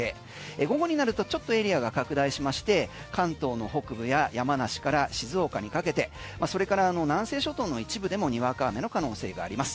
午後になるとちょっとエリアが拡大しまして関東の北部や山梨から静岡にかけてそれから南西諸島の一部でもにわか雨の可能性があります。